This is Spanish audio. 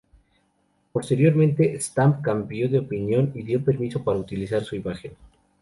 Posteriormente, Stamp cambió de opinión y dio permiso para utilizar su imagen.